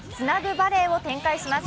バレーを展開します。